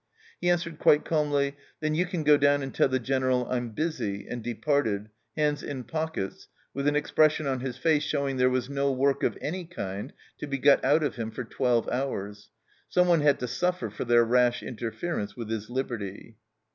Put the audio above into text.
He answered quite calmly, " Then you can go down and tell the General I'm busy," and departed, hands in pockets, w r ith an expression on his face showing there was no work of any kind to be got out of him for twelve hours ; someone had to suffer for their rash interference with his liberty